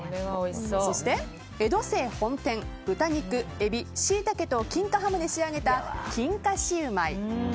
そして、江戸清本店豚肉、エビ、シイタケと金華ハムで仕上げた金華シウマイ。